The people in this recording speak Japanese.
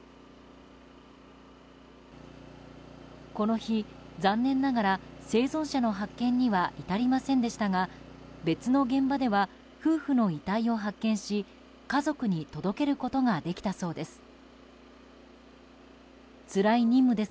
この日、残念ながら生存者の発見には至りませんでしたが別の現場では夫婦の遺体を発見し家族に届けることができたそうです。